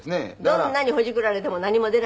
どんなにほじくられても何も出ない？